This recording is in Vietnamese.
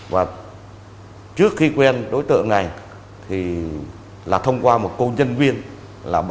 và trước khi quên đối tượng này là thông qua một cô nhân viên elef